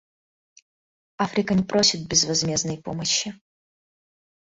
Африка не просит безвозмездной помощи.